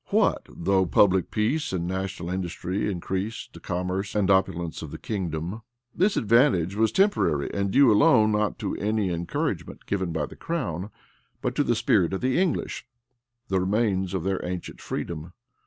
What though public peace and national industry increased the commerce and opulence of the kingdom? This advantage was temporary, and due alone, not to any encouragement given by the crown, but to the spirit of the English, the remains of their ancient freedom.